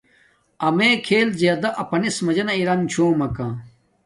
امݺ کھݵل زݵݳدہ اَپَنݵس مَجَنݳ رَم چھݸمَکݳ.